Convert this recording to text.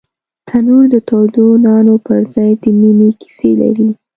تنور د تودو نانو پر ځای د مینې کیسې لري